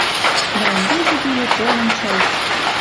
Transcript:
Дӓ ӹндежӹ теве толын чӓс —